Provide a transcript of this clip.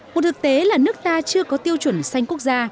một thực tế là nước ta chưa có tiêu chuẩn xanh quốc gia